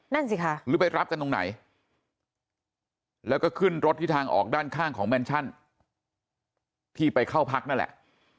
นั่นสิค่ะหรือไปรับกันตรงไหนแล้วก็ขึ้นรถที่ทางออกด้านข้างของแมนชั่นที่ไปเข้าพักนั่นแหละ